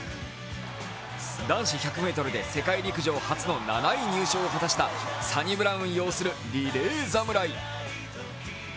男子１００ｍで世界陸上初の７位入賞を果たしたサニブラウン擁するリレー侍。